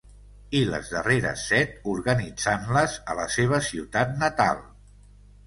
I les darreres set, organitzant-les a la seva ciutat natal.